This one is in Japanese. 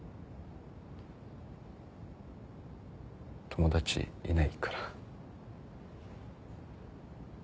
友達いないから。